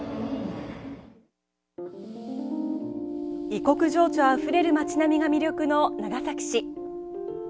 異国情緒あふれる街並みが魅力の長崎市。